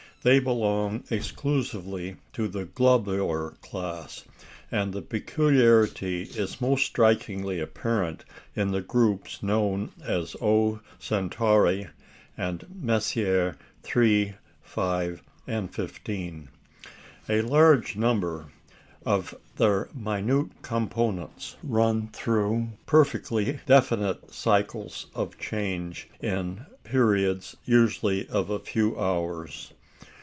They belong exclusively to the "globular" class, and the peculiarity is most strikingly apparent in the groups known as Omega Centauri, and Messier 3, 5, and 15. A large number of their minute components run through perfectly definite cycles of change in periods usually of a few hours.